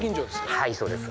はいそうです。